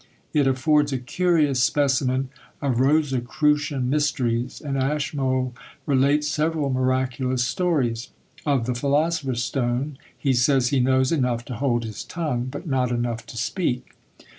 It affords a curious specimen of Rosicrucian mysteries; and Ashmole relates several miraculous stories. Of the philosopher's stone, he says he knows enough to hold his tongue, but not enough to speak.